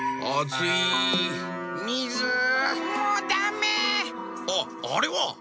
ああれは！